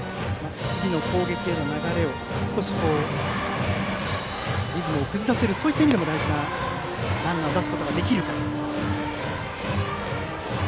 次の攻撃への流れ、リズムを崩させるそういった意味でも大事なランナーを出すことができるか。